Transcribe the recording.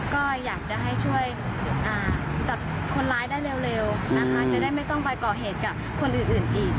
ก็อยากจะให้ช่วยตัดคนร้ายได้เร็วนะคะ